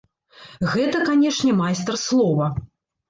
Гэта, канешне, майстар слова.